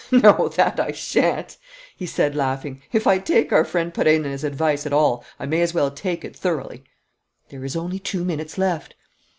"No, that I shan't!" he said, laughing. "If I take our friend Perenna's advice at all, I may as well take it thoroughly!" "There is only two minutes left."